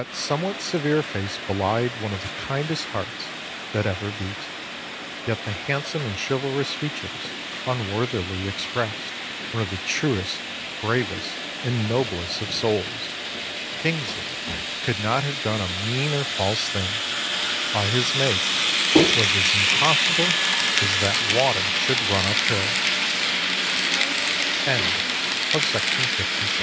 That somewhat severe face belied one of the kindest hearts that ever beat: yet the handsome and chivalrous features unworthily expressed one of the truest, bravest, and noblest of souls. Kingsley could not have done a mean or false thing: by his make it was as impossible as that water should run uphill." CHARLES LAMB 1775 1834 [Sidenote: de Quincey's Life and Writings.